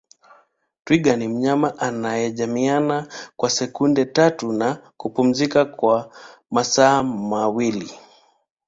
Twiga ni mnyama anayejamiiana kwa sekunde tatu na kupumzika kwa masaa mawili